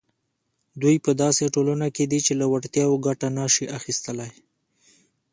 دوی په داسې ټولنه کې دي چې له وړتیاوو ګټه نه شي اخیستلای.